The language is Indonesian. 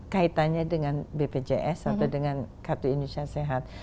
kaitannya dengan bpjs atau dengan kartu indonesia sehat